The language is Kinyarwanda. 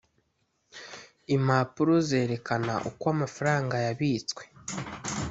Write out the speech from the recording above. impapuro zerekana uko amafaranga yabitswe